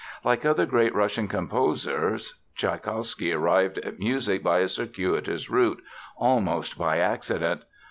Like other great Russian composers, Tschaikowsky arrived at music by a circuitous route, almost by accident.